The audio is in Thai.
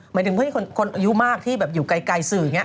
หมายถึงเพื่อนคนอายุมากที่แบบอยู่ไกลสื่ออย่างนี้